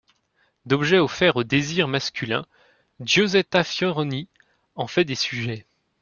D'objets offerts au désir masculin, Giosetta Fioroni en fait des sujets.